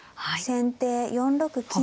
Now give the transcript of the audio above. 先手４六金。